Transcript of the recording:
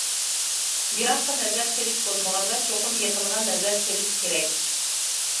يىراققا نەزەر سېلىش بولمىغاندا چوقۇم يېقىنغا نەزەر سېلىش كېرەك.